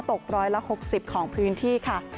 ตกร้อยละ๖๐ของพื้นที่ค่ะ